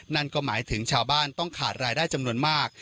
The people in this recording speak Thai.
นั่นก็หมายถึงชาวบ้านต้องขาดรายได้จำนวนมาก